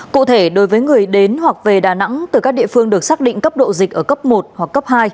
cụ thể đối với người đến hoặc về đà nẵng từ các địa phương được xác định cấp độ dịch ở cấp một hoặc cấp hai